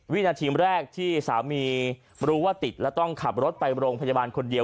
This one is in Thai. วินาทีแรกที่สามีรู้ว่าติดแล้วต้องขับรถไปโรงพยาบาลคนเดียว